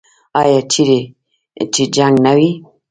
آیا چیرې چې جنګ نه وي؟